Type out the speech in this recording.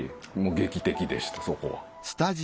劇的でしたそこは。